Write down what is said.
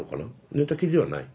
寝たきりではない？